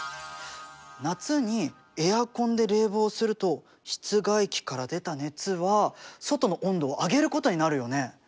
夏にエアコンで冷房すると室外機から出た熱は外の温度を上げることになるよね。